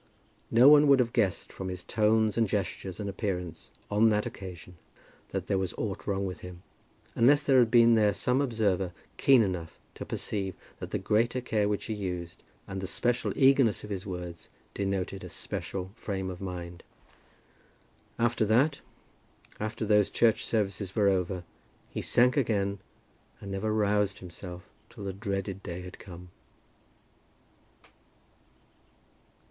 No one would have guessed from his tones and gestures and appearance on that occasion, that there was aught wrong with him, unless there had been there some observer keen enough to perceive that the greater care which he used, and the special eagerness of his words, denoted a special frame of mind. After that, after those church services were over, he sank again and never roused himself till the dreaded day had come.